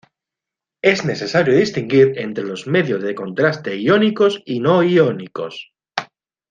Es necesario distinguir entre los medios de contraste iónicos y no iónicos.